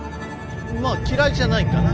まあ嫌いじゃないかな